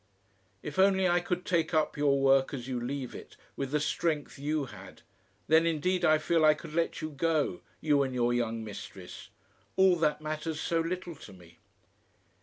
"If only I could take up your work as you leave it, with the strength you had then indeed I feel I could let you go you and your young mistress.... All that matters so little to me....